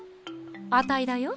あたいだよ？